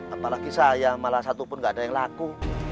apalagi saya malah satu pun gak ada yang laku